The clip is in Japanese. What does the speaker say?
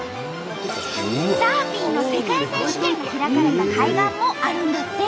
サーフィンの世界選手権が開かれた海岸もあるんだって。